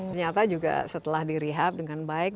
ternyata juga setelah di rehab dengan baik